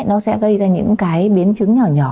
nó sẽ gây ra những biến chứng nhỏ nhỏ